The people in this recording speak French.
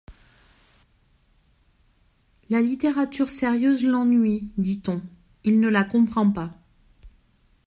La littérature sérieuse l’ennuie, dit-on ; il ne la comprend pas.